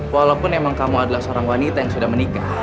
walaupun emang kamu adalah seorang wanita yang sudah menikah